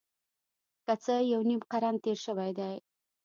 څه کم یو نیم قرن تېر شوی دی.